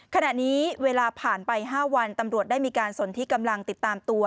ขณะนี้เวลาผ่านไป๕วันตำรวจได้มีการสนที่กำลังติดตามตัว